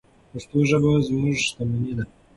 پښتو ژبه زموږ شتمني ده.